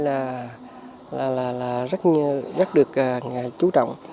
là rất được chú trọng